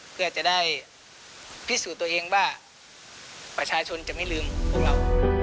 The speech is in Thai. เพื่อจะได้พิสูจน์ตัวเองว่าประชาชนจะไม่ลืมพวกเรา